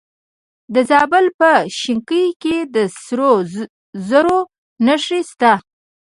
د زابل په شنکۍ کې د سرو زرو نښې شته.